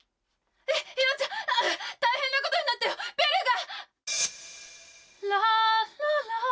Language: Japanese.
ヒロちゃん大変なことになったよベルが！